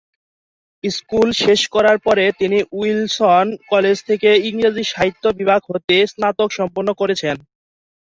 School শেষ করার পরে তিনি উইলসন কলেজ থেকে ইংরেজি সাহিত্য বিভাগ হতে স্নাতক সম্পন্ন করেছেন।